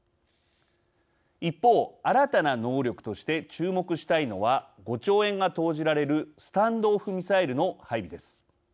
一方、新たな能力として注目したいのは５兆円が投じられるスタンド・オフ・ミサイルの配備です。